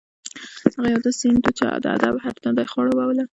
هغه یو داسې سیند و چې د ادب هره تنده یې خړوبوله.